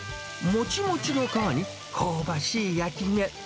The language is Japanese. もちもちの皮に香ばしい焼き目。